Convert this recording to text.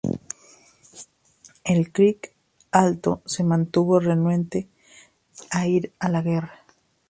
El Creek Alto se mantuvo renuente a ir a la guerra.